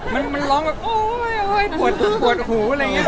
มันร้องแบบโอยปวดปวดหูอะไรเงี้ย